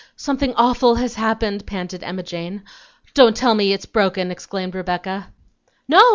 "Something awful has happened," panted Emma Jane. "Don't tell me it's broken," exclaimed Rebecca. "No!